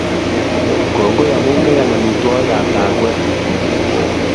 Kongoi amu kegany amitwogik ap lakwet.